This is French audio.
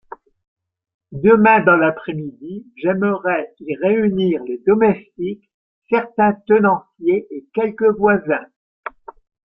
Demain dans l'après-midi j'aimerais y réunir les domestiques, certains tenanciers et quelques voisins.